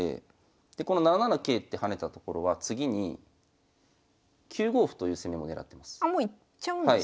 でこの７七桂って跳ねたところは次に９五歩という攻めもねらってます。